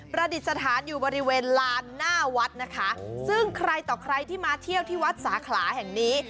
ประดิษฐานอยู่บริเวณลานหน้าวัดนะคะซึ่งใครต่อใครที่มาเที่ยวที่วัดสาขลาแห่งนี้